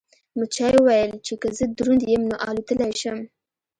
مچۍ وویل چې که زه دروند یم نو الوتلی شم.